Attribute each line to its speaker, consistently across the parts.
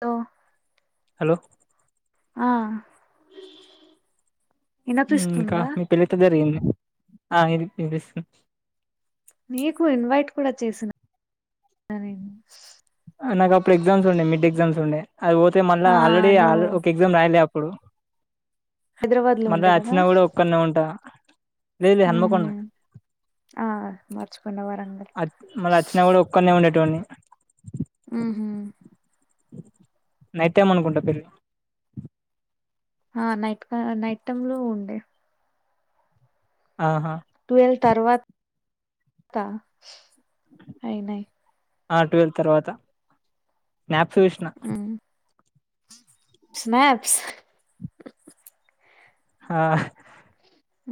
Speaker 1: లో
Speaker 2: హలో
Speaker 1: ఆ
Speaker 2: మ్ ఇంకా
Speaker 1: వినపిస్తుందా
Speaker 2: మీ పెళ్ళెట్ల జరిగింది ఆ ఇది విన్పిసుంది
Speaker 1: నీకు ఇన్వైట్ కూడా చేసిన నేను
Speaker 2: నాకు అప్పుడు ఎగ్జామ్స్ండే మిడ్ ఎగ్జామ్స్ండే అవిపోతే మళ్ళ
Speaker 1: ఆ
Speaker 2: ఆల్రెడీ
Speaker 1: నువ్వు
Speaker 2: అల్ ఒక ఎగ్జామ్ రాయలే అప్ ప్పుడు
Speaker 1: హైదరాబాద్ లో
Speaker 2: మళ్ళ
Speaker 1: ఉండే కదా
Speaker 2: అచ్చిన కూడా ఒక్కన్నె ఉంటా లేద్ లేద్
Speaker 1: ఉహు
Speaker 2: హన్మకొండనే
Speaker 1: ఆ మర్చిపోయిన వరంగల్
Speaker 2: అచ్ మళ్ళ అచ్చిన కూడా ఒక్కన్నే ఉండేటోన్ని
Speaker 1: మ్ హూ
Speaker 2: నైట్ టైమ్ అనుకుంటా పెళ్ళి
Speaker 1: ఆ నైట్ క అ నైట్ టైమ్ లో ఉండే
Speaker 2: ఆహా
Speaker 1: ట్వుల్ తర్వాత ఐనయ్
Speaker 2: ఆ ట్వుల్ తర్వాత స్నాప్స్ చూస్నా
Speaker 1: ఉమ్. స్నాప్స్
Speaker 2: హా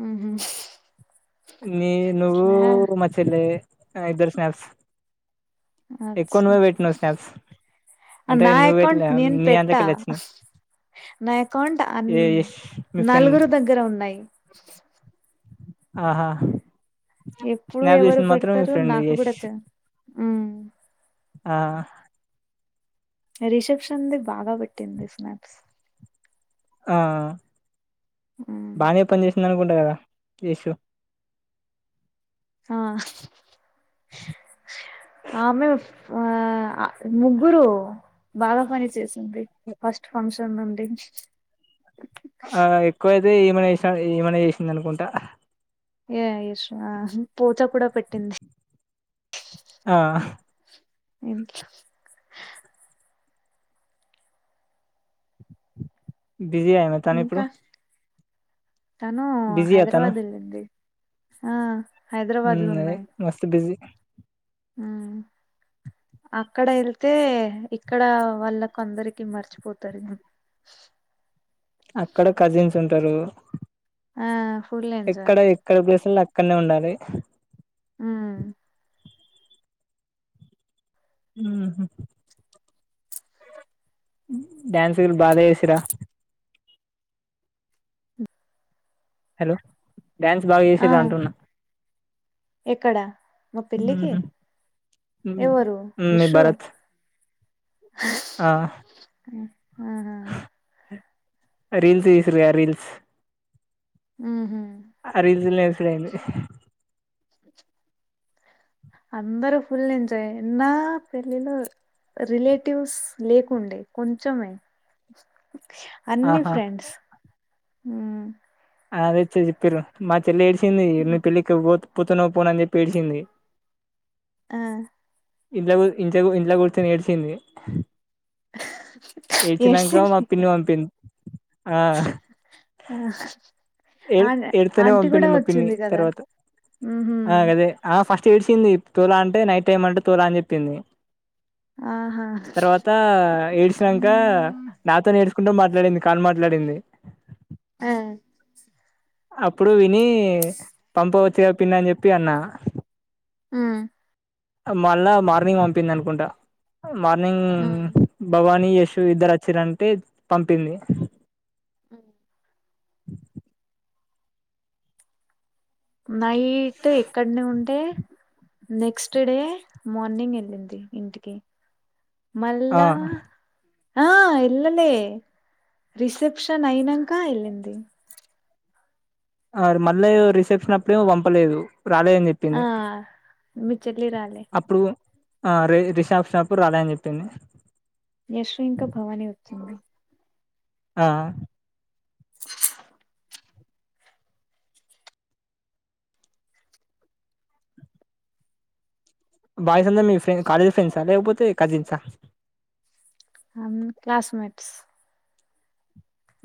Speaker 1: ఉహు
Speaker 2: నీ నువ్వు
Speaker 1: స్నా
Speaker 2: మాచెల్లే ఇద్దరి స్నాప్స్ ఎక్కువ
Speaker 1: అచ్చా
Speaker 2: నువ్వే పెట్నవ్ స్నాప్స్ అంటే
Speaker 1: నా
Speaker 2: నువ్వు పెట్టలే
Speaker 1: అకౌంట్ నేన్
Speaker 2: నీ
Speaker 1: పెట్టా
Speaker 2: దాంట్లోకెళ్ళి వచ్చినాయి
Speaker 1: నా యకౌట్ అన్
Speaker 2: ఏ యష్ మీ ఫ్రెండ్
Speaker 1: నల్గురు దగ్గర ఉన్నాయ్
Speaker 2: ఆహా
Speaker 1: ఎప్పుడు
Speaker 2: స్నాప్
Speaker 1: ఎవరు
Speaker 2: జుసిన్ మాత్రమ్ మీ
Speaker 1: పెడతారు
Speaker 2: ఫ్రెండ్
Speaker 1: నాకు
Speaker 2: యష్
Speaker 1: కూడా చ ఉమ్
Speaker 2: ఆ
Speaker 1: రిసెప్షన్ది బాగా పెట్టింది స్నాప్స్
Speaker 2: ఆ అ
Speaker 1: ఉమ్
Speaker 2: బానే పనిజేసిందనుకుంట్ అ యషు
Speaker 1: ఆ ఆమె ఆ ముగ్గురు బాగా పని చేసింది ఫస్ట్ ఫంక్షన్ నుండి
Speaker 2: ఆ ఎక్కువైతే ఈమనె చేస్తా ఈమనె జెసిన్దనుకుంటా
Speaker 1: ఏ యషు అహ్ పోతో కూడా పెట్టింది
Speaker 2: ఆహ్
Speaker 1: ఎం
Speaker 2: బిజీ ఐన తానిప్పుడు
Speaker 1: ఇంకా తను
Speaker 2: అతను
Speaker 1: హైదరాబాద్ ఎళ్ళింది ఆ హైదరాబాద్
Speaker 2: ఉమ్,
Speaker 1: లో
Speaker 2: అదే
Speaker 1: ఉన్నాయ్
Speaker 2: మస్తు బిజీ
Speaker 1: ఉమ్ అక్కడ ఎళ్తే ఇక్కడ వాళ్ళకు అందరికి మర్చిపోతారెమో
Speaker 2: అక్కడ కజిన్స్ ఉంటారు
Speaker 1: ఆ ఫుల్ ఎంజాయ్
Speaker 2: ఎక్కడ ఎక్కడ ప్లేసులో అక్కన్నె ఉండాలి
Speaker 1: ఉమ్
Speaker 2: ఉహు డ్యాన్స్లు బానే జేసిర్ర హలో డ్యాన్స్ బాగా
Speaker 1: ఆ
Speaker 2: జెసిర్ర అంటున్నా
Speaker 1: ఎక్కడ మా పెళ్ళికి
Speaker 2: ఉహు. ఉమ్,
Speaker 1: ఎవరు యషు
Speaker 2: ఆహ్
Speaker 1: ఉమ్ హు
Speaker 2: రీల్స్ చేసిరుగ రీల్స్
Speaker 1: ఉహు
Speaker 2: ఆ రీల్స్ తిరె ఐంది
Speaker 1: అందరు ఫుల్ ఎంజయ్ ఎన్న పెళ్ళిలో రిలేటివ్స్ లేకుండే కొంచమే అన్ని
Speaker 2: ఆహా
Speaker 1: ఫ్రెండ్స్ ఉమ్
Speaker 2: అదే చ్-చెప్పిరు మా చెల్లెడ్సింది ని పెళ్ళికి పోత్ పోతనో పోనో అని జెప్పేడ్చింది
Speaker 1: ఆ
Speaker 2: ఇంట్ల గు ఇంట్ల గు ఇంట్ల గూర్చొనేడ్సీంది ఏడ్చినాంక మా
Speaker 1: ఏడ్సింది
Speaker 2: పిన్ని పంపింద్
Speaker 1: ఆ ఆ
Speaker 2: ఏడ్-ఏడుతనే
Speaker 1: ఆంటీ
Speaker 2: పంపిది
Speaker 1: కూడా
Speaker 2: మా పిన్ని
Speaker 1: వచ్చింది కదా
Speaker 2: తర్వాత
Speaker 1: ఉహు
Speaker 2: ఆ గదే అ అ ఫస్ట్ ఏడ్స్ంది తోలా అంటే నైట్ టైమ్ అంటే తోలా అన్ జెప్పింది
Speaker 1: ఆహా
Speaker 2: తర్వాత ఏడ్సీనంక నాతోనెడ్స్ కుంట మాట్లాడింది కాల్ మాట్లాడింది
Speaker 1: ఆ
Speaker 2: అప్పుడు విని పంపవచ్చుగా పిన్ని అన్ జెప్పి అన్నా
Speaker 1: ఉమ్
Speaker 2: అ మళ్ళా మార్నింగ్ పంపిందన్కుంటా మార్నింగ్
Speaker 1: ఉమ్
Speaker 2: భవాన్ నీ యషు ఇద్దరచ్చిరంటే పంపింది
Speaker 1: అ నైయీట్ ఇక్కన్నె ఉంటే నెక్స్ట్ డే మార్నింగ్ ఎళ్ళింది ఇంటికి
Speaker 2: ఆ
Speaker 1: మళ్ళా ఆహ్ ఎళ్ళలే రిసెప్షన్ అయినంక ఎళ్ళింది
Speaker 2: ఆర్ మళ్ళ ఎదో రిసెప్షన్ అప్పుడేమో పంపలేదు రాలేదని చెప్పింది
Speaker 1: మి చెల్లి రాలె
Speaker 2: అప్పుడు ఆ రి రిసెప్షన్ అపుడు రాలేదని చెప్పింది
Speaker 1: యశ్వి ఇంక భవాని వచ్చింది
Speaker 2: ఆ బాయ్స్ అందరు మీ ఫ్రెన్ కాలేజ్ ఫ్రెండ్స్ అహ్ లేకపోతే కాజీన్సా
Speaker 1: అన్ క్లాస్మేట్స్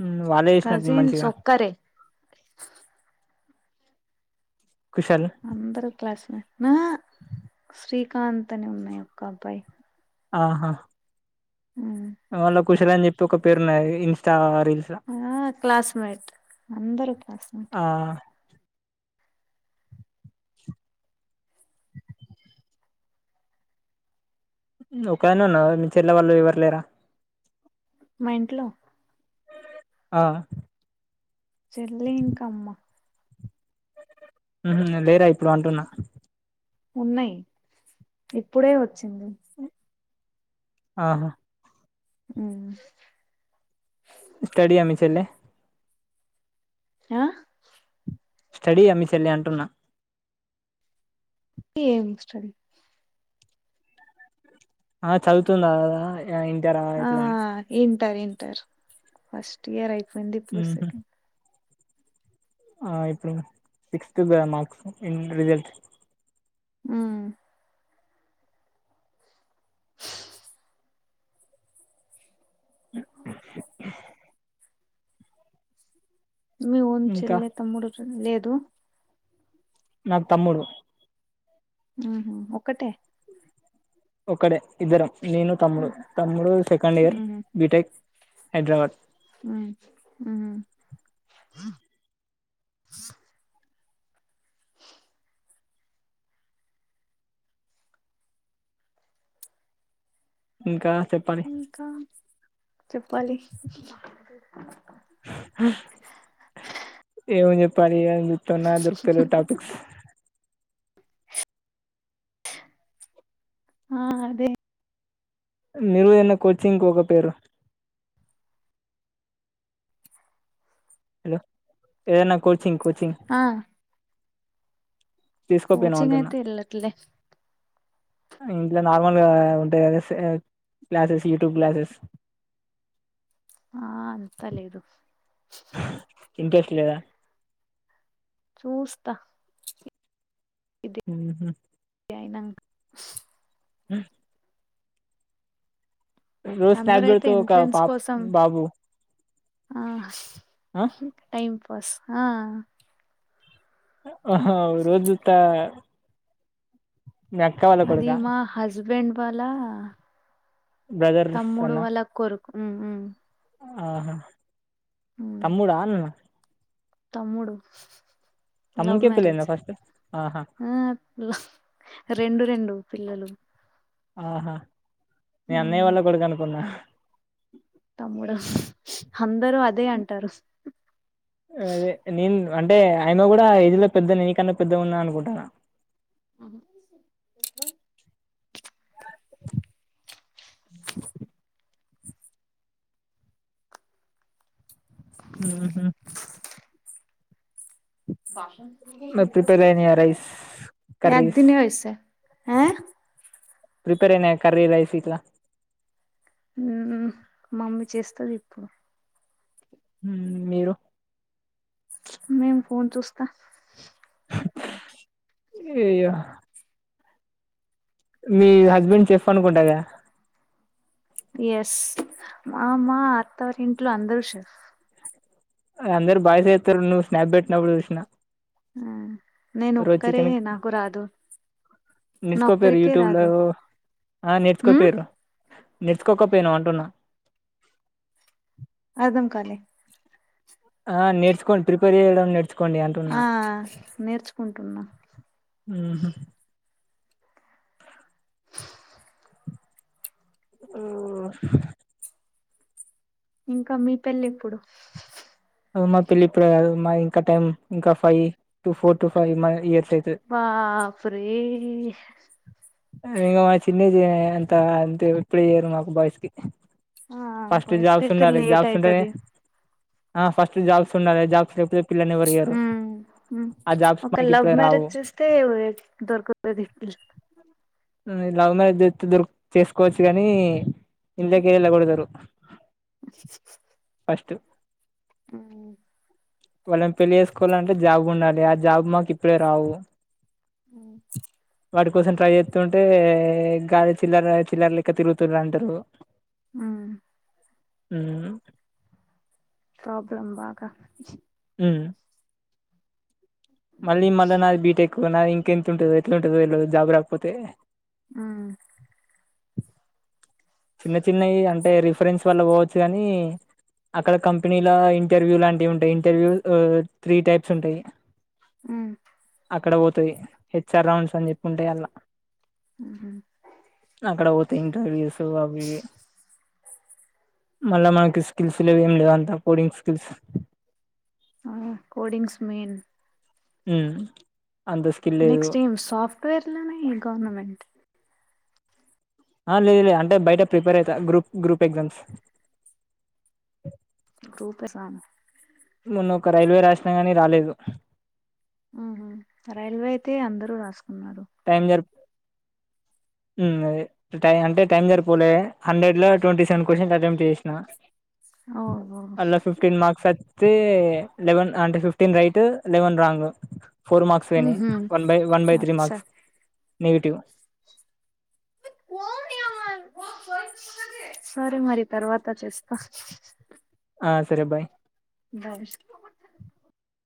Speaker 2: ఉమ్ వాళ్ళే చేశినట్టుంది
Speaker 1: కజిన్స్
Speaker 2: మంచిగా
Speaker 1: ఒక్కరే
Speaker 2: కుషల్
Speaker 1: అందరు క్లాస్మేట్ నా శ్రీకాంత్ అని ఉన్నయి ఒక్కబ్బాయి
Speaker 2: ఆహా వాళ్ళ కుషల అని జెప్పి ఒక పేరున్నది ఇన్స్టా రీల్స్ ల
Speaker 1: ఆ క్లాస్మేట్ అందరూ క్లాస్మేట్
Speaker 2: ఆ ఒకదానివే ఉన్నవా మీ చెల్లె వాళ్ళు ఎవరు లేరా
Speaker 1: మ ఇంట్లో
Speaker 2: ఆ
Speaker 1: చెల్లి ఇంక అమ్మా
Speaker 2: ఉహ్మ్ లేరా ఇప్పుడు అంటున్న
Speaker 1: ఉన్నయి ఇప్పుడే వచ్చింది
Speaker 2: ఆహా
Speaker 1: ఉమ్
Speaker 2: స్టడి ఆ మీ చెల్లె
Speaker 1: ఆహ్
Speaker 2: స్టడీ ఆ మీ చెల్లె అంటున్న
Speaker 1: ఏం స్టడి
Speaker 2: ఆ చదువుతుందా అ ఇంటరా
Speaker 1: ఆ
Speaker 2: ఎట్లా అని
Speaker 1: ఇంటర్ ఇంటర్ ఫస్ట్ ఇయర్ అయిపోయింది ఇప్పుడు
Speaker 2: ఉహు
Speaker 1: సెకండ్
Speaker 2: ఆ ఇప్పుడు సిక్స్త్ దా మార్క్స్ ఇన్ రిజల్ట్
Speaker 1: ఉమ్ మీ ఓన్
Speaker 2: ఇంకా
Speaker 1: చెల్లె తమ్ముడు చెన్ లేదు
Speaker 2: నాకు తమ్ముడు
Speaker 1: ఉమ్ ఒక్కటె
Speaker 2: ఒక్కడె ఇద్దరం నేను తమ్ముడు
Speaker 1: ఉహు
Speaker 2: తమ్ముడు సెకండ్ ఇయర్
Speaker 1: ఉమ్
Speaker 2: బీటెక్ హైద్రాబాద్
Speaker 1: ఉమ్
Speaker 2: ఇంకా చెప్పాలి
Speaker 1: ఇంకా చెప్పాలి
Speaker 2: ఏమని చెప్పాలి అని తున్న దొరుకుతలె టాపిక్స్
Speaker 1: ఆహ్ అదే
Speaker 2: మీరు ఏమన్న కోచింగ్ పోకపోయిరు హలో ఏదన్న కోచింగ్కు
Speaker 1: ఆ
Speaker 2: తీసుకోపోయినావు
Speaker 1: కోచింగ్
Speaker 2: అంటున్నా
Speaker 1: అయితే వెల్లట్లే
Speaker 2: ఇంట్లో నార్మల్గా ఉంటాయి కదా క్లాసెస్ యూట్యూబ్ క్లాసెస్
Speaker 1: ఆ అంతా లేదు
Speaker 2: ఇంట్రెస్ట్ లేదా
Speaker 1: చూస్తా
Speaker 2: ఉహు
Speaker 1: అయినాక
Speaker 2: ఉ రోజు స్నాప్
Speaker 1: అందరయితే
Speaker 2: పెడుతూ ఒక
Speaker 1: ఎంట్రెన్స్
Speaker 2: పాప
Speaker 1: కోసం
Speaker 2: బాబు
Speaker 1: ఆ టైమ్ పాస్ ఆ
Speaker 2: ఆహా రోజు త మీ అక్క వాళ్ళ
Speaker 1: అది
Speaker 2: కొడుకా
Speaker 1: మా హస్బెండ్ వాళ్ళ
Speaker 2: బ్రదర్స్
Speaker 1: తమ్ముడు
Speaker 2: అన్న
Speaker 1: వాళ్ల కొడుకు ఉ ఉ
Speaker 2: ఆహా
Speaker 1: ఉమ్
Speaker 2: తమ్ముడా అన్న న్న
Speaker 1: తమ్ముడు లవ్
Speaker 2: తమ్మునికే
Speaker 1: మ్యారేజ్
Speaker 2: పెళ్ళయిందా ఫస్ట్ ఆహా
Speaker 1: ఆ రెండు రెండు పిల్లలు
Speaker 2: ఆహా మీ అన్నయ్య
Speaker 1: ఉమ్,
Speaker 2: వాళ్ళ కొడుకు అనుకున్నా
Speaker 1: తమ్ముడు అందరూ అదే అంటారు
Speaker 2: అదే నేను అంటే ఆయన కూడా ఏజ్లో పెద్ద నే నీకన్నా పెద్ద ఉన్నా అనుకుంటన్న
Speaker 1: ఉహు
Speaker 2: ఉహు మరి ప్రిపేర్ అయినయా రైస్
Speaker 1: అది
Speaker 2: కర్రీస్
Speaker 1: తిను వేస్తా ఆ
Speaker 2: ప్రిపేర్ అయినా కర్రీ రైస్ ఇట్లా
Speaker 1: ఉ మామ్మీ చేస్తది ఇప్పుడు
Speaker 2: మీరు
Speaker 1: మేం ఫోన్ చూస్తా
Speaker 2: అయ్యయ్యో మీ హస్బెండ్ చెఫ్ అనుకుంటాగా
Speaker 1: ఎస్ మామ అత్తారింట్లో అందరూ చెఫ్
Speaker 2: అందరు బాయ్స్ చెత్తరు నువ్ స్నాప్ బెట్నప్పుడు చూసిన
Speaker 1: ఆ నేను
Speaker 2: రోజు
Speaker 1: ఒక్కరే
Speaker 2: చికెన్
Speaker 1: నాకు రాదు నా
Speaker 2: నేర్చుకోపోయారు
Speaker 1: ఒక్కరికే
Speaker 2: యూట్యూబ్ లో
Speaker 1: రాదు
Speaker 2: ఆ
Speaker 1: ఉమ్
Speaker 2: నేర్చుకోపోయరు నేర్చుకోకపోయినవ్ అంటున్నా
Speaker 1: అర్ధం కాలే
Speaker 2: ఆ నేర్స్కోండి ప్రిపేర్ చేయడం నెర్చ్
Speaker 1: ఆ నేర్చుకుంటున్నా
Speaker 2: ఉహు ఆఓ
Speaker 1: ఇంక మీ పెళ్లి ఎప్పుడు
Speaker 2: మా పెళ్లి ఇప్పుడే కాదు మాది ఇంకా టైం ఇంకా five to four to five year
Speaker 1: బాఫురే
Speaker 2: ఇంకా మా చిన్న ఏజే అంత అంతే ఇప్పుడేయ్యరు మాకు బాయిస్కి
Speaker 1: ఆ
Speaker 2: ఫస్ట్ జాబ్స్
Speaker 1: వయసుకైతే
Speaker 2: ఉండాలి
Speaker 1: లేట్
Speaker 2: జాబ్స్ ఉంటనే
Speaker 1: అయితది
Speaker 2: ఆ ఫస్ట్ జాక్స్ ఉండాలా జాక్స్ లేపోతే ప్
Speaker 1: మ్ హు
Speaker 2: జాబ్స్
Speaker 1: ఒక
Speaker 2: మనకి
Speaker 1: లవ్
Speaker 2: ఇప్పుడే రావు
Speaker 1: మ్యారేజ్ చేస్తే దొరుకుతది పిల్
Speaker 2: లవ్ మ్యారేజ్ చేస్తే దొర్ చేసుకోవచ్చు కానీ ఇళ్ళకెళ్ళి ఎల్లగొడ్తరు నేస్టు
Speaker 1: ఆ
Speaker 2: వాళ్ళన్ పెళ్లి ఏస్కోవాలంటే జాబ్ ఉండాలి ఆ జాబ్ మాకిప్పుడే రావు
Speaker 1: మ్
Speaker 2: వాటి కోసం ట్రై చేత్తుంటే గాలి చిల్లర్ చిల్లర్లెక్క తిరుగుతుర్రంటరు
Speaker 1: ఆ
Speaker 2: మ్
Speaker 1: ప్రాబ్లమ్ బాగా
Speaker 2: మ్ మళ్ళీ మళ్ళానాది బీటెక్కు నదీ ఇంకెంతుంటదో ఎట్లుంటదో ఎల్వద్ జాబు రాకపోతే
Speaker 1: ఆ
Speaker 2: చిన్న చిన్నయ్ అంటే రిఫ్రెన్స్ వల్ల ఓవోచ్చు గనీ అక్కడ కంపెనీలా ఇంటర్వ్యూ లాంటియుంటయ్ ఇంటర్వ్యూ త్రీ టైప్స్ ఉంటయ్
Speaker 1: మ్
Speaker 2: అక్కడ వోతై హెచ్ఆర్ రౌండ్స్ అన్ జెప్పి ఉంటయ్ అల్లా
Speaker 1: అహ
Speaker 2: ఇంటర్వ్యూస్ అవ్వీవ్వి మళ్ళా మక్ స్కిల్స్ లెవ్ ఎం లేవ్ అంతా పోడింగ్ స్కిల్స్
Speaker 1: ఆ కోడింగ్స్ మెయిన్
Speaker 2: మ్
Speaker 1: నెక్స్ట్ టైం సాఫ్ట్వేర్లనే గౌర్నమెంట్
Speaker 2: ఆ లేద్ లేద్ అంటే బైట ప్రిపేర్ ఐతా group group exams
Speaker 1: group exam
Speaker 2: మొన్నోక రైల్వే రాష్నా గనీ రాలేదు
Speaker 1: మ్ హు రైల్వే ఐతే అందరూ రాస్కూన్నారు
Speaker 2: టైం జర్ప్ మ్ అదే ట్ టై అంటే టైం జరిపోలే హండ్రెడ్ లా టొంటీ సెవెన్ కొషన్స్ అటెంప్ట్ చేష్నా
Speaker 1: ఓహో
Speaker 2: అల్లా ఫిఫ్టీన్ మార్క్స్ అ త్తే లెవెన్ అంటే fifteen right eleven wrong four marks వొయ్నైయ్
Speaker 1: ఉహు
Speaker 2: one by one by three
Speaker 1: అచ్చా
Speaker 2: మాక్స్ నెగిటివ్
Speaker 1: [unintelligible] సరే మరి తర్వాత చేస్తా
Speaker 2: ఆ సరే బాయ్
Speaker 1: భాష్